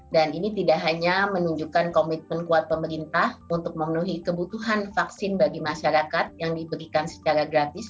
dan ini tidak hanya menunjukkan komitmen kuat pemerintah untuk memenuhi kebutuhan vaksin bagi masyarakat yang diberikan secara gratis